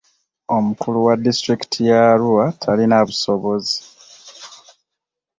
Omukulu wa disitulikiti ya Arua talina busobozi.